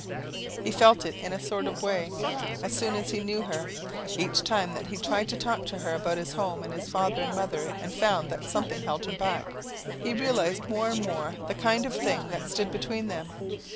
He felt it in a sort of way, as soon as he knew her. Each time that he tried to talk to her about his home and his father and mother and found that something held him back, he realized more and more the kind of thing that stood between them.